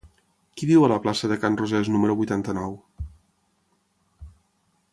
Qui viu a la plaça de Can Rosés número vuitanta-nou?